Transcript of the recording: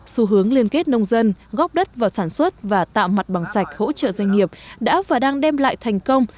xu hướng liên kết nông dân góp đất vào sản xuất và tạo mặt bằng sạch hỗ trợ doanh nghiệp đã và đang đem lại thành công